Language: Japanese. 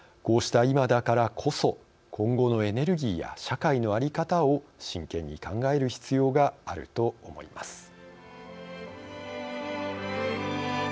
こうした今だからこそ今後のエネルギーや社会の在り方を真剣に考える必要があると思います。